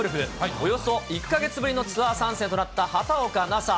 およそ１か月ぶりのツアー参戦となった畑岡奈紗。